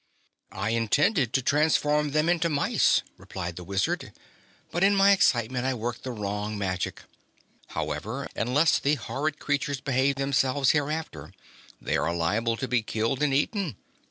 "I intended to transform them into mice," replied the Wizard, "but in my excitement I worked the wrong magic. However, unless the horrid creatures behave themselves hereafter, they are liable to be killed and eaten.